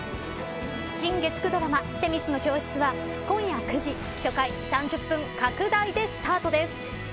新月９ドラマ女神の教室は、今夜９時初回３０分拡大でスタートです。